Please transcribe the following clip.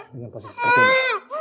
dengan posisi seperti ini